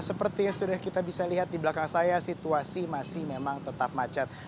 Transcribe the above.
seperti yang sudah kita bisa lihat di belakang saya situasi masih memang tetap macet